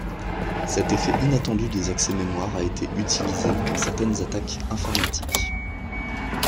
Cet effet inattendu des accès mémoire a été utilisé dans certaines attaques informatiques.